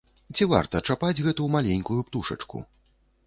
Ці варта чапаць гэту маленькую птушачку?